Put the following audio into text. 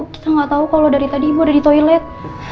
kita nggak tahu kalau dari tadi ibu ada di toilet